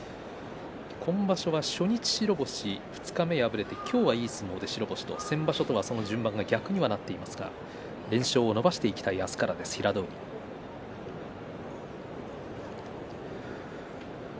今場所は初日白星、二日目敗れて今日はいい相撲で白星と先場所とは順番が逆になっていますが連勝を伸ばしていきたい明日からの平戸海です。